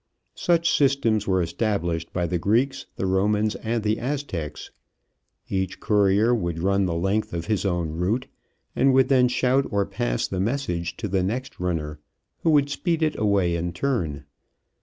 Such systems were established by the Greeks, the Romans, and the Aztecs. Each courier would run the length of his own route and would then shout or pass the message to the next runner, who would speed it away in turn.